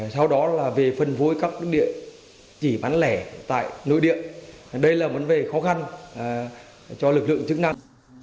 sau đó là về phân phối các địa chỉ bán lẻ tại nội địa đây là vấn đề khó khăn cho lực lượng chức năng